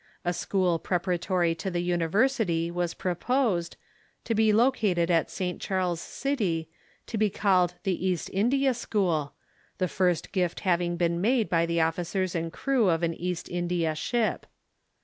A school preparatory to the university was proposed, to be located at St. Charles City, to be called the East India School, the first gift having been made by the oflicers and crew of an East India ship.